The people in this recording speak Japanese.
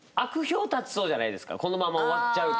このまま終わっちゃうと。